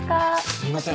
すいません。